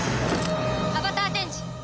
アバターチェンジ！